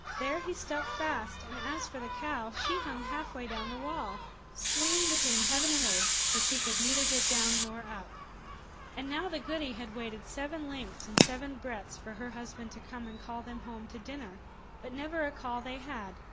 There he stuck fast; and as for the cow, she hung halfway down the wall, swinging between heaven and earth, for she could neither get down nor up. And now the goody had waited seven lengths and seven breadths for her husband to come and call them home to dinner; but never a call they had.